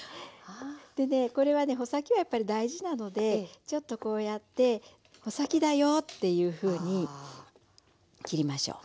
でねこれはね穂先はやっぱり大事なのでちょっとこうやって穂先だよっていうふうに切りましょう。